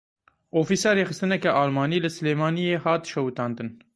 Ofîsa rêxistineke Almanî li Silêmaniyê hat şewitandin.